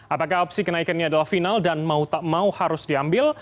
apakah opsi kenaikannya adalah final dan mau tak mau harus diambil